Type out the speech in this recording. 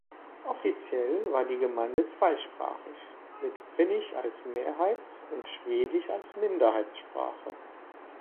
Offiziell war die Gemeinde zweisprachig mit Finnisch als Mehrheits- und Schwedisch als Minderheitssprache.